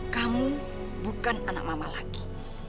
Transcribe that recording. kamu bukan anak mama lagi